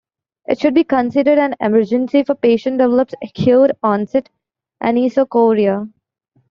It should be considered an emergency if a patient develops acute onset anisocoria.